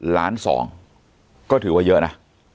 ล้านสองก็ถือว่าเยอะนะ